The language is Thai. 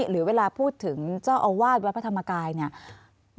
หรือเวลาพูดถึงเจ้าอาวาสวัดพระธรรมกายเนี่ย